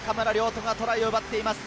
土がトライを奪っています。